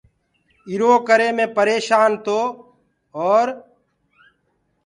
ايٚرو ڪري مي پريشآن تو اور